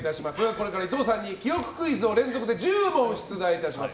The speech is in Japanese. これから伊藤さんに記憶クイズを連続で１０問出題いたします。